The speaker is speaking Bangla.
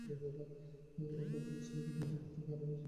ওটা ভালই ছিল, কিন্তু এ জীবনে এর থেকেও বেশি মজা পেয়েছি।